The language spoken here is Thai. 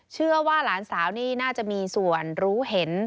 เชื่อว่าหลานสาวนี่น่าจะมีส่วนรู้เห็น